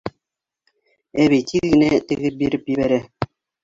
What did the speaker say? Әбей тиҙ генә тегеп биреп ебәрә.